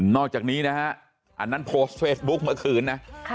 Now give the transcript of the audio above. อกจากนี้นะฮะอันนั้นโพสต์เฟซบุ๊คเมื่อคืนนะ